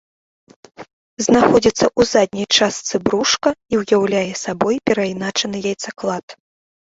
Знаходзіцца ў задняй частцы брушка і ўяўляе сабой перайначаны яйцаклад.